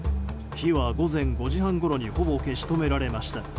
火は午前５時半ごろにほぼ消し止められました。